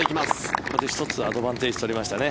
ここで１つアドバンテージを取りましたね。